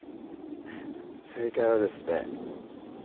正解はですね